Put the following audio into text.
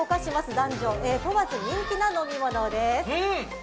男女問わず人気の飲み物です。